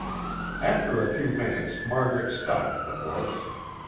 After a few minutes Margaret stopped the horse.